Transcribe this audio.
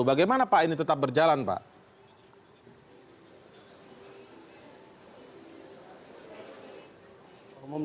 bagaimana pak ini tetap berjalan pak